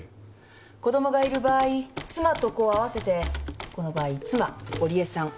子供がいる場合妻と子を合わせてこの場合妻織江さん